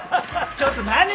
ちょっと何よ！